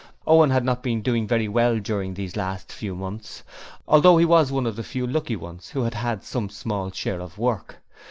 Owen had not been doing very well during these last few months, although he was one of the few lucky ones who had had some small share of work.